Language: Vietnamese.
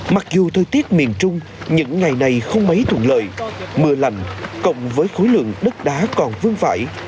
mặc dù thời tiết miền trung những ngày này không mấy thuận lợi mưa lành cộng với khối lượng đất đá còn vương phải